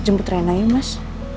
jemput rena yu mas